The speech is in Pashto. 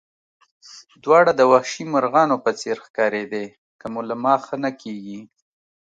دواړه د وحشي مرغانو په څېر ښکارېدې، که مو له ما ښه نه کېږي.